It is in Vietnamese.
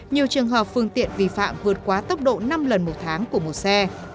nhiều trường hợp phương tiện vi phạm vượt quá tốc độ năm lần một tháng của một xe